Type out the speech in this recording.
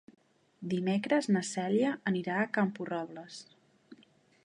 Dimecres na Cèlia anirà a Camporrobles.